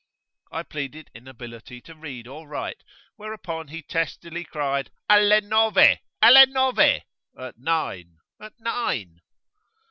I pleaded inability to read or write, whereupon he testily cried Alle nove! alle nove! at nine! at nine!